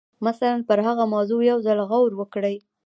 مثلاً پر هغه موضوع یو ځل غور وکړئ